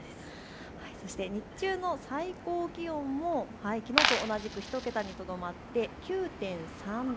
そして日中の最高気温もきのうと同じく１桁にとどまって９．３度。